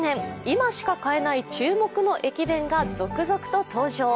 今しか買えない注目の駅弁が続々と登場。